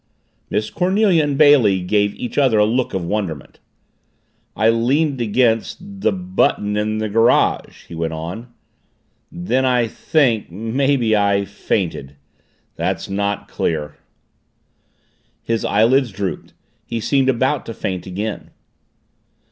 Miss Cornelia and Bailey gave each other a look of wonderment. "I leaned against the button in the garage " he went on. "Then I think maybe I fainted. That's not clear." His eyelids drooped. He seemed about to faint again.